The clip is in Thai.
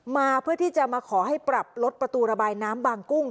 มาเพื่อที่จะมาขอให้ปรับลดประตูระบายน้ำบางกุ้ง